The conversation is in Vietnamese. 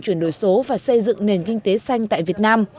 chuyển đổi số và xây dựng nền kinh tế xanh tại việt nam